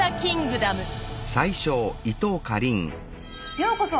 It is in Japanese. ようこそ！